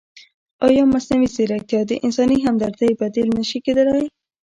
ایا مصنوعي ځیرکتیا د انساني همدردۍ بدیل نه شي کېدای؟